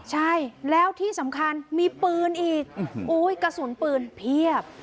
ใช่แล้วที่สำคัญมีปืนอีกกระสุนปืนเพียบ